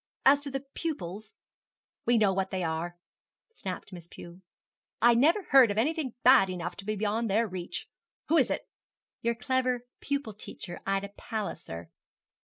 And as to the pupils ' 'We know what they are,' snapped Miss Pew; 'I never heard of anything bad enough to be beyond their reach. Who is it?' 'Your clever pupil teacher, Ida Palliser.'